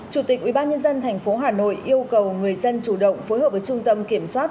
chủ tịch ubnd tp hà nội yêu cầu người dân chủ động phối hợp với trung tâm kiểm soát